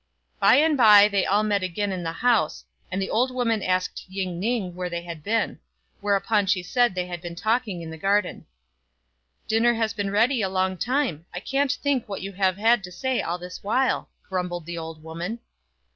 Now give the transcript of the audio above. By and by they all met again in the house, and the old woman asked Ying ning where they had been ; whereupon she said they had been talking in the garden. " Dinner has been ready a long time. I can't think what you have had to say all this while," grumbled the old woman.